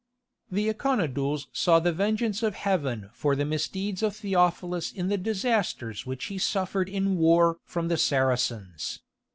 The Iconodules saw the vengeance of heaven for the misdeeds of Theophilus in the disasters which he suffered in war from the Saracens.